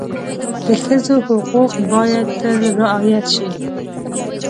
د ښځو حقوق باید تل رعایت شي.